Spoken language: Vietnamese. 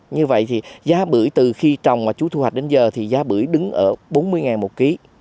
như vậy thì giá bưởi từ khi trồng mà chú thu hoạch đến giờ thì giá bưởi đứng ở bốn mươi một kg